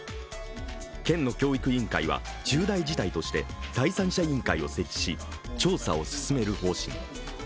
県の教育委員会は重大事態として第三者委員会を設置し調査を進める方針。